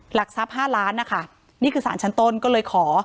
หลักทรัพย์๕ล้านนะคะนี่คือสารชั้นต้นก็เลยขอ